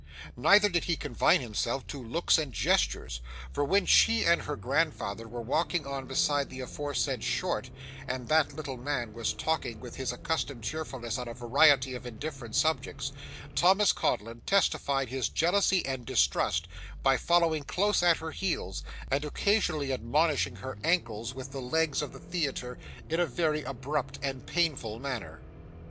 Neither did he confine himself to looks and gestures, for when she and her grandfather were walking on beside the aforesaid Short, and that little man was talking with his accustomed cheerfulness on a variety of indifferent subjects, Thomas Codlin testified his jealousy and distrust by following close at her heels, and occasionally admonishing her ankles with the legs of the theatre in a very abrupt and painful manner.